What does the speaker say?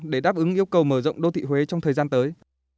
để đáp ứng yêu cầu mở rộng đô thị huế trong thời gian tới